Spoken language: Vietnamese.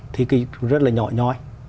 thì rất là nhỏ nhói